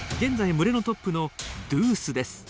群れのトップのドゥースです。